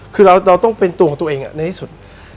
คือเราต้องเป็นตัวของตัวเองในที่สุด